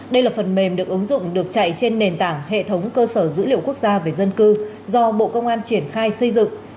đây là phần mềm được ứng dụng được chạy trên nền tảng hệ thống cơ sở dữ liệu quốc gia về dân cư do bộ công an triển khai xây dựng